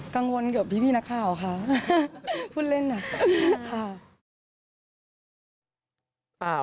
กังวลเกือบพี่นักข่าวค่ะพูดเล่นน่ะค่ะ